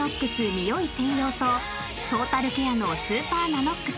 ニオイ専用とトータルケアのスーパーＮＡＮＯＸ